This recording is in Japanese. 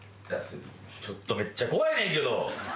ちょっとめっちゃ怖いねんけど。